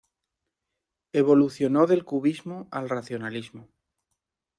Evolucionó del cubismo al racionalismo.